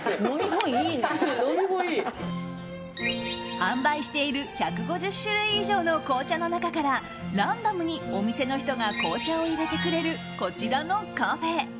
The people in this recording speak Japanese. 販売している１５０種類以上の紅茶の中からランダムにお店の人が紅茶を入れてくれるこちらのカフェ。